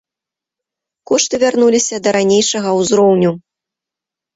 Кошты вярнуліся да ранейшага ўзроўню.